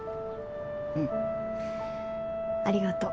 うんありがとう。